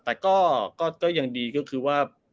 แต่ก็ยังดีก็คือว่า